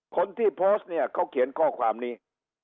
คนที่โพสต์เนี่ยเขาเขียนข้อความนี้